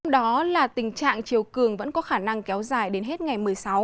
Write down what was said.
đó là tình trạng chiều cường vẫn có khả năng kéo dài đến hết ngày một mươi sáu